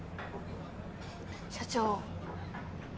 社長。